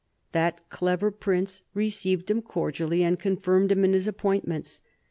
That clever Prince received him cordially and confirmed him in his appointments.